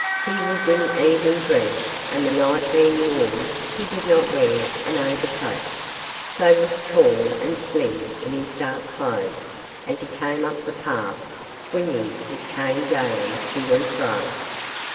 He was in evening dress, and the night being warm he did not wear an overcoat, so looked tall and slim in his dark clothes as he came up the path swinging his cane gaily to and fro.